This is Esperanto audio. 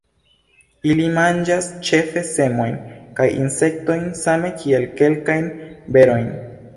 Ili manĝas ĉefe semojn kaj insektojn, same kiel kelkajn berojn.